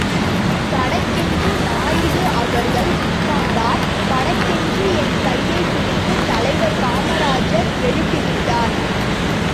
சடக்கென்று நாயுடு அவர்கள் உட்கார்ந்தார், படக் கென்று என் கையைப்பிடித்து தலைவர் காமராஜ் எழுப்பிவிட்டார்.